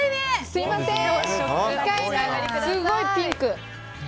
すごいピンク。